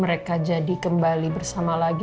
mereka jadi kembali bersama lagi